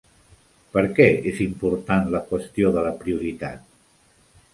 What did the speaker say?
Per què és important la qüestió de la prioritat?